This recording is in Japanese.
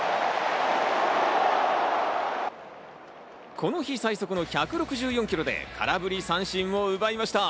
この日、最速の１６４キロで空振り三振を奪いました。